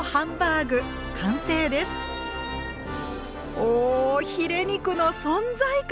おおヒレ肉の存在感！